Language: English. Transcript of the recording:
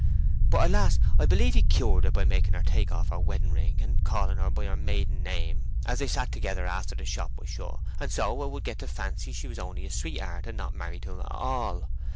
But at last I believe he cured it by making her take off her wedding ring and calling her by her maiden name as they sat together after the shop was shut, and so 'a would get to fancy she was only his sweetheart, and not married to him at all.